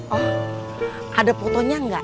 oh ada fotonya nggak